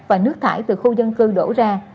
và nước thải từ khu dân cư đổ ra